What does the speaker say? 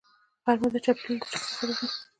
غرمه د چاپېریال د چوپتیا سبب وي